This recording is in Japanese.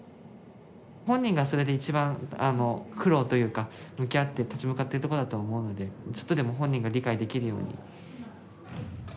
本人がそれで一番苦労というか向き合って立ち向かってるとこだと思うのでちょっとでも本人が理解できるように。